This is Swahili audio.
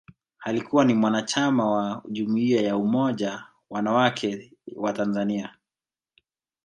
Alikuwa ni mwanachama wa Jumuiya ya Umoja Wanawake wa Tanzania